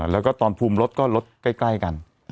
แล้วก็ตอนภูมิรถก็รถใกล้กัน